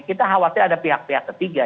kita khawatir ada pihak pihak ketiga